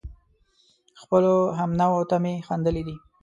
خپلو همنوعو ته مې خندلي دي